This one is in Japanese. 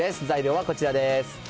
材料はこちらです。